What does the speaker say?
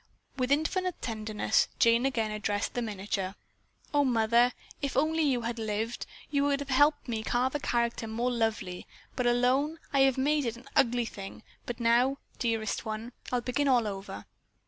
With infinite tenderness Jane again addressed the miniature: "Oh, mother, if you had only lived, you would have helped me carve a character more lovely, but alone I have made of it an ugly thing, but now, dearest one, I'll begin all over."